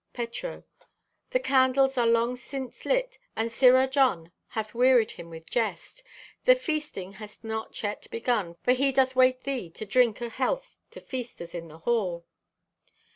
(Petro) "The candles are long since lit and Sirrah John hath wearyed him with jest. The feasting hath not yet begun, for he doth wait thee to drink a health to feasters in the hall."